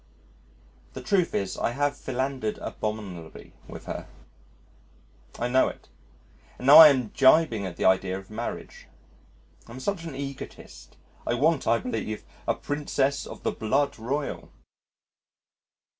... The truth is I have philandered abominably with her. I know it. And now I am jibbing at the idea of marriage.... I am such an egotist, I want, I believe, a Princess of the Blood Royal.